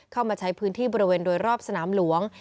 เข้ามาใช้พื้นที่บริเวณโดยรอบสนามหลวง